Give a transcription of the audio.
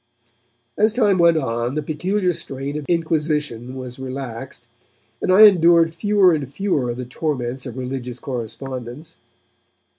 As time went on, the peculiar strain of inquisition was relaxed, and I endured fewer and fewer of the torments of religious correspondence.